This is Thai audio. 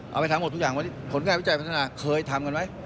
เอาไปทำหมดทุกอย่างวันนี้ผลงานพิจัยพันธุรกรรมค่ะ